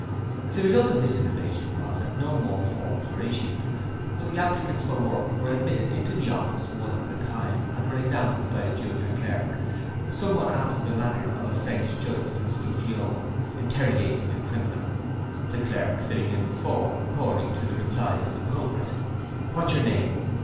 The result of this innovation was that no more forms were issued, but the applicants for work were admitted into the office one at a time, and were there examined by a junior clerk, somewhat after the manner of a French Juge d'Instruction interrogating a criminal, the clerk filling in the form according to the replies of the culprit. 'What's your name?'